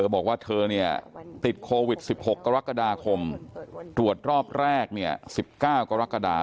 บอกว่าเธอติดโควิด๑๖กรกฎาคมตรวจรอบแรก๑๙กรกฎา